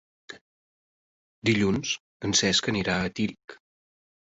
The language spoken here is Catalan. Dilluns en Cesc anirà a Tírig.